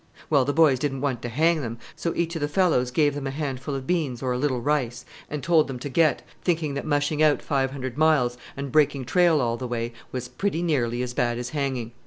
Well, the boys didn't want to hang them, so each of the fellows gave them a handful of beans, or a little rice, and told them to get, thinking that mushing out five hundred miles, and breaking trail all the way, was pretty nearly as bad as hanging.